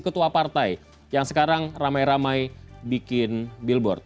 ketua partai yang sekarang ramai ramai bikin billboard